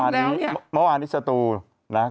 เมื่อวานนี้สตูลนะ